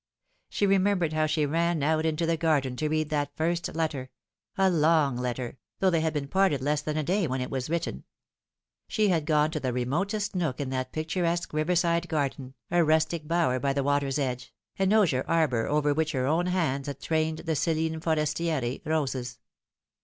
She remembered how she ran out into the garden to read that first letter a long letter, though they had been parted less than a day when it was written. She had gone to the remotest nook in that picturesque riverside garden, a rustic bower by the water's edge, an osier arbour over which her own hands had trained the Celine Forestieri roses.